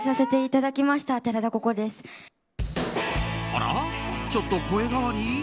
あら、ちょっと声変わり？